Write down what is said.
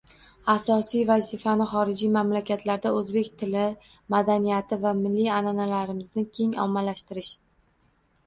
Asosiy vazifasi xorijiy mamlakatlarda o‘zbek tili, madaniyati va milliy an’analarimizni keng ommalashtirish